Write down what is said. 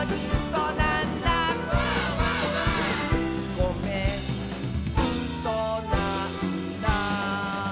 「ごめんうそなんだ」